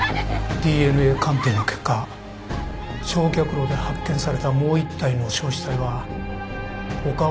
ＤＮＡ 鑑定の結果焼却炉で発見されたもう一体の焼死体は岡尾のものだと判明しました。